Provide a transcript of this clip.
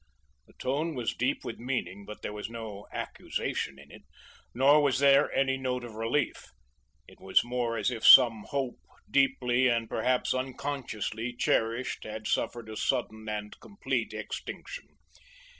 The tone was deep with meaning but there was no accusation in it; nor was there any note of relief. It was more as if some hope deeply, and perhaps unconsciously, cherished had suffered a sudden and complete extinction.